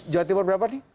jawa timur berapa nih